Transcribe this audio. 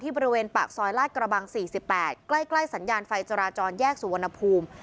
บริเวณปากซอยลาดกระบัง๔๘ใกล้สัญญาณไฟจราจรแยกสุวรรณภูมิ